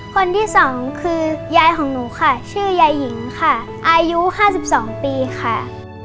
คนที่สองคือยายของหนูค่ะชื่อยายหญิงค่ะอายุ๕๒ปีค่ะ